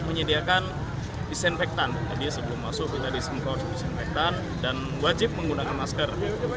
menyediakan disinfektan jadi sebelum masuk kita disemprot disinfektan dan wajib menggunakan masker